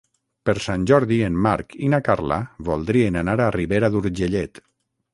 Per Sant Jordi en Marc i na Carla voldrien anar a Ribera d'Urgellet.